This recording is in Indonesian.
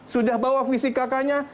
sudah bawa fisik kk nya